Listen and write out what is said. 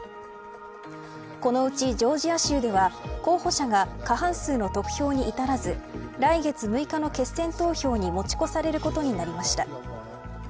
このうちジョージア州では候補者が過半数の得票に至らず来月６日の決選投票に持ち越されることになりました。